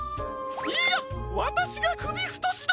いいやわたしがくびふとしだ！